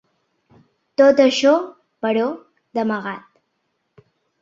Tot això, però, d’amagat.